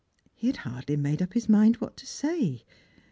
He had hardly made up his mind what to say.